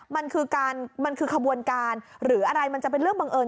มันคือขบวนการหรืออะไรมันจะเป็นเรื่องบังเอิญ